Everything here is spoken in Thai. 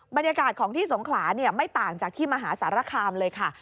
บรรยากาศของที่สงขลาไม่ต่างจากที่มหาสารคามเลยค่ะ